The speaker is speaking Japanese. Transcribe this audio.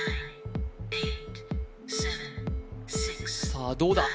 さあどうだ？